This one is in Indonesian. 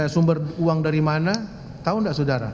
sumber uang dari mana tahu tidak saudara